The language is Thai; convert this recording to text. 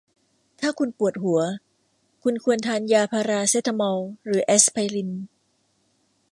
ถ้าคุณปวดหัว คุณควรทานยาพาราเซตามอลหรือแอสไพริน